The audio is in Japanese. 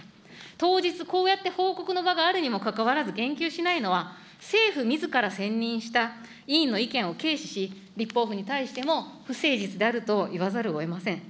当日、こうやって報告の場があるにもかかわらず、言及しないのは、政府みずから選任した委員の意見を軽視し、立法府に対しても不誠実であると言わざるをえません。